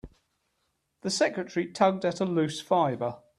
The secretary tugged at a loose fibre.